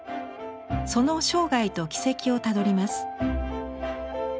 その生涯と軌跡をたどります。